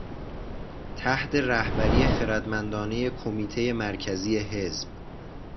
تحت رهبری خردمندانه کمیتهٔ مرکزی حزب